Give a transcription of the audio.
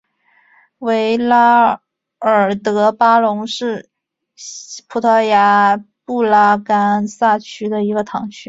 维拉尔德隆巴是葡萄牙布拉干萨区的一个堂区。